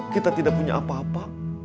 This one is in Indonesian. kita tidak punya apa apa